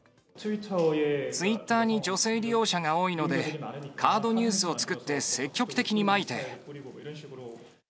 ツイッターに女性利用者が多いので、カードニュースを作って積極的にまいて。